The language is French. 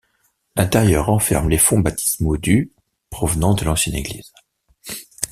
L'intérieur renferme les fonts baptismaux du provenant de l'ancienne église.